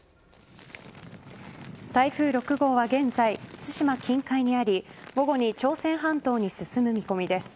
台風６号は現在対馬近海にあり午後に朝鮮半島に進む見込みです。